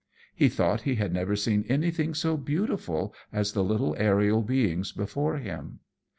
He thought he had never seen anything so beautiful as the little aerial beings before him.